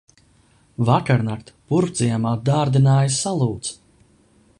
Vakarnakt Purvciemā dārdināja salūts.